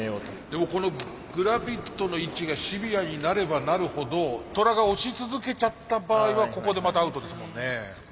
でもこのグラビットの位置がシビアになればなるほどトラが押し続けちゃった場合はここでまたアウトですもんね。